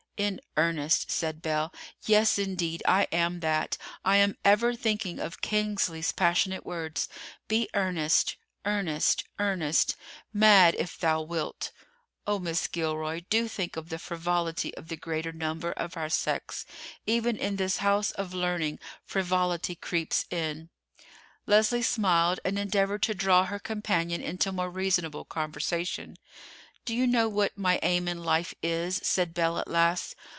"In earnest," said Belle; "yes, indeed, I am that. I am ever thinking of Kingsley's passionate words, 'Be earnest, earnest, earnest; mad if thou wilt.' Oh, Miss Gilroy, do think of the frivolity of the greater number of our sex. Even in this house of learning frivolity creeps in." Leslie smiled and endeavored to draw her companion into more reasonable conversation. "Do you know what my aim in life is?" said Belle at last.